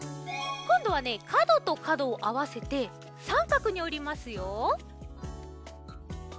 こんどはねかどとかどをあわせてさんかくにおりますよ。